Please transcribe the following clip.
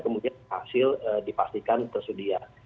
kemudian hasil dipastikan tersedia